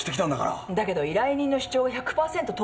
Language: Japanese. だけど依頼人の主張が１００パーセント通ったわけじゃない。